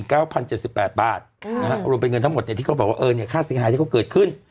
นะครับรวมเป็นเงินทั้งหมดเนี่ยที่เขาบอกว่าเนี่ยค่าเสียหายที่เขาเกิดขึ้น